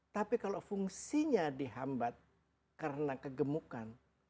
tapi kalau fungsinya dihambat karena kegemukan